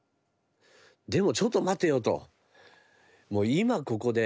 でもちょっと待てよと。